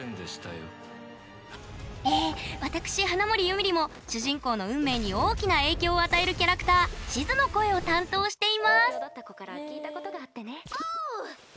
え私花守ゆみりも主人公の運命に大きな影響を与えるキャラクターシズの声を担当していますそっか。